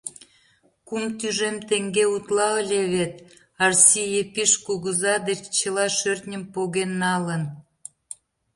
Кум тӱжем теҥге утла ыле вет, Арси Епиш кугыза деч чыла шӧртньым поген налын!